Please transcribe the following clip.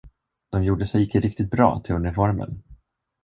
De gjorde sig icke riktigt bra till uniformen.